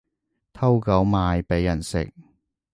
偷狗賣畀人食